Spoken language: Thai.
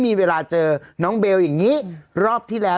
คุณแม่ของคุณแม่ของคุณแม่ของคุณแม่